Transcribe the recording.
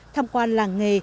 tham quan làng nghề